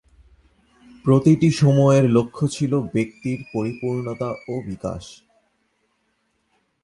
প্রতিটি সময়ের লক্ষ্য ছিল ব্যক্তির পরিপূর্ণতা ও বিকাশ।